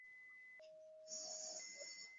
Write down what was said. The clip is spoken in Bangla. তুমি একেবারে এত অল্পেই হাল ছাড়িয়া দিয়া বসো কেন?